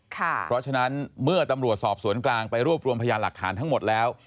เพราะฉะนั้นเมื่อตำรวจสอบสวนกลางไปรวบรวมพยานหลักฐานทั้งหมดแล้ว